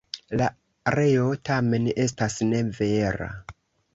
La reo tamen, estas ne vera.